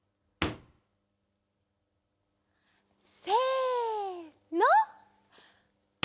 せの。